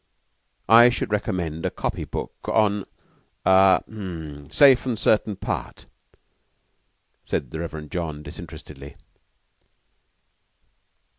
"I should recommend a copy book on a h'm safe and certain part," said the Reverend John disinterestedly.